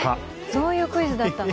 そういうクイズだったの？